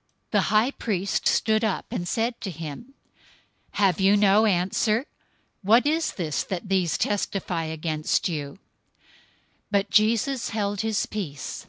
'" 026:062 The high priest stood up, and said to him, "Have you no answer? What is this that these testify against you?" 026:063 But Jesus held his peace.